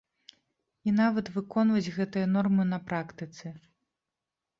І нават выконваць гэтыя нормы на практыцы.